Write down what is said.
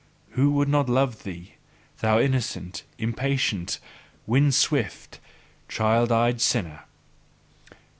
Who would not love thee, thou innocent, impatient, wind swift, child eyed sinner!